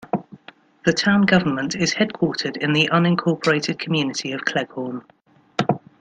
The town government is headquartered in the unincorporated community of Cleghorn.